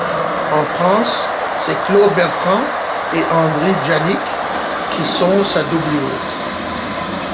En France, c'est Claude Bertrand et Henry Djanik qui sont sa doublure.